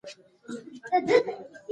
د نفاق تخم په خپله خاوره کې مه کرئ.